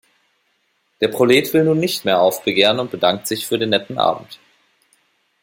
Der Prolet will nun nicht mehr aufbegehren und bedankt sich für den netten Abend.